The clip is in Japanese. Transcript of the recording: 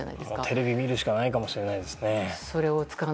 テレビを見るしかないかもしれないですね。